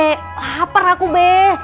haper aku be